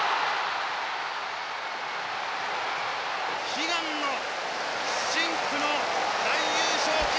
悲願の深紅の大優勝旗